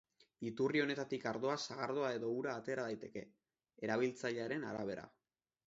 Iturri honetatik ardoa, sagardoa edo ura atera daiteke, erabiltzailearen arabera.